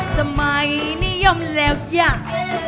สมัยนิยมแล้วยัง